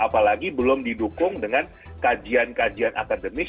apalagi belum didukung dengan kajian kajian akademis